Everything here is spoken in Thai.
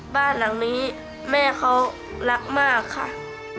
บ้านหลังนี้แม่เขารักมากค่ะ